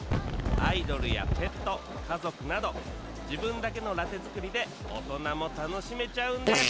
アイドルやペット家族など自分だけのラテ作りで大人も楽しめちゃうんです